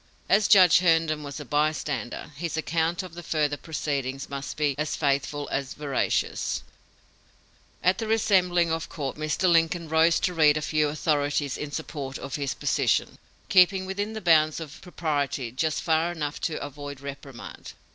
As Judge Herndon was a bystander, his account of the further proceedings must be as faithful as veracious: "At the reassembling of court, Mr. Lincoln rose to read a few authorities in support of his position, keeping within the bounds of propriety just far enough to avoid a reprimand.